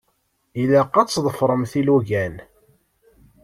Ilaq ad tḍefṛemt ilugan.